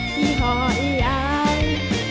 ที่หอยอาย